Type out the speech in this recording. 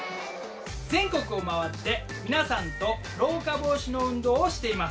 全国を回って皆さんと老化防止の運動をしています。